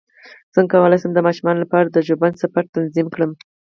څنګه کولی شم د ماشومانو لپاره د ژوبڼ سفر تنظیم کړم